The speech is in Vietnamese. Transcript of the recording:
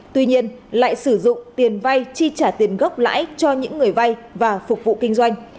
tuy nhiên lại sử dụng tiền vay chi trả tiền gốc lãi cho những người vay và phục vụ kinh doanh